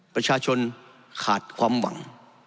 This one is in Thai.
ประชาชนขาดความหวัง